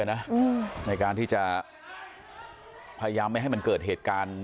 ในการที่จะพยายามไม่ให้มันเกิดเหตุการณ์